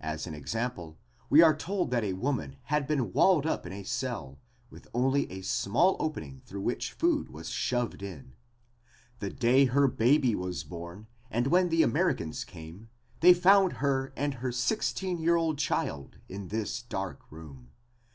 As an example, we are told that a woman had been walled up in a cell, with only a small opening through which food was shoved in, the day her baby was born and when the Americans came they found her and her sixteen year old child in this dark room.